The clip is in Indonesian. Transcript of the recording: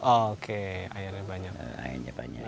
oke airnya banyak